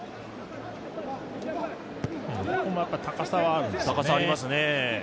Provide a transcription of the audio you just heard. ここも高さはありますね。